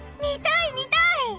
見たい見たい！